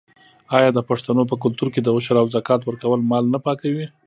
آیا د پښتنو په کلتور کې د عشر او زکات ورکول مال نه پاکوي؟